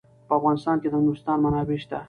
په افغانستان کې د نورستان منابع شته.